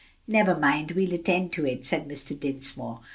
"Never mind, we'll attend to it," said Mr. Dinsmore.